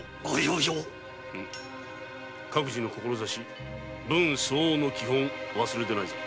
各自の志分相応の基本を忘れるでないぞ。